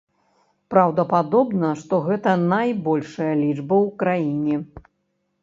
Праўдападобна, што гэта найбольшая лічба ў краіне.